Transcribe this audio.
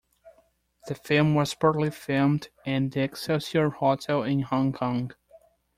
The film was partly filmed in The Excelsior hotel in Hong Kong.